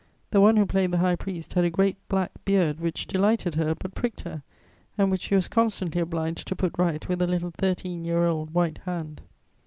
The one who played the High Priest had a great black beard which delighted her but pricked her, and which she was constantly obliged to put right with a little thirteen year old white hand.